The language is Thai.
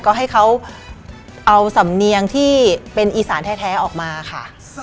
ก็ให้เขาเอาสำเนียงที่เป็นอีสานแท้ออกมาค่ะ